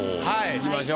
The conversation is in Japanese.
いきましょう。